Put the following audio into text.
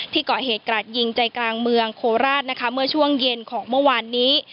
เกาะเหตุกราดยิงใจกลางเมืองโคราชนะคะเมื่อช่วงเย็นของเมื่อวานนี้